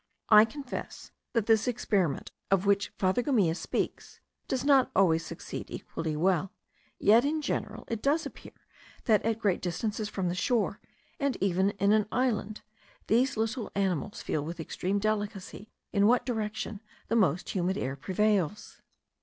I confess, that this experiment, of which Father Gumilla speaks, does not always succeed equally well: yet in general it does appear that at great distances from the shore, and even in an island, these little animals feel with extreme delicacy in what direction the most humid air prevails.